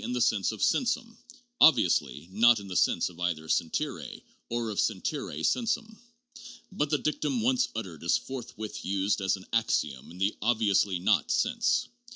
458 THE JOURNAL OF PHILOSOPHY sense of sensum; obviously, not in the sense of either sentire or of sentire sensum. But the dictum once uttered is forthwith used as an axiom in the 'obviously not' sense.